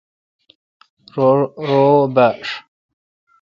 رو باݭ